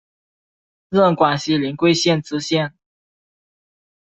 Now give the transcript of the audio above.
任广西临桂县知县。